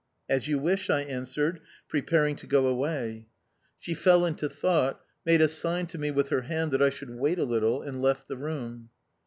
"As you wish," I answered, preparing to go away. She fell into thought, made a sign to me with her hand that I should wait a little, and left the room.